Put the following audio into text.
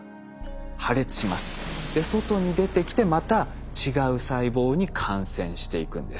外に出てきてまた違う細胞に感染していくんです。